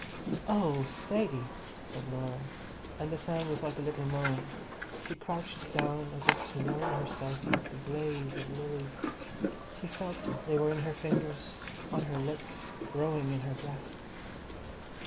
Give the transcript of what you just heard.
"O oh, Sadie!" said Laura, and the sound was like a little moan. She crouched down as if to warm herself at that blaze of lilies; she felt they were in her fingers, on her lips, growing in her breast.